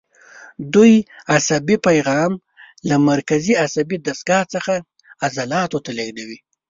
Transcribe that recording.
دوی عصبي پیغام له مرکزي عصبي دستګاه څخه عضلاتو ته لېږدوي.